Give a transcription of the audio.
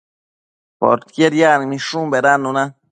Poquied yacmishun bedannuna